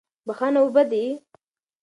بښنه اوبه دي.